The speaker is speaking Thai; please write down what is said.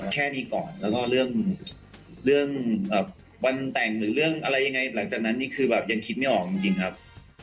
แค่นี้ก่อนแล้วก็เรื่องวันแต่งหรือเรื่องอะไรยังไงหลังจากนั้นนี่คือแบบยังคิดไม่ออกจริงครับ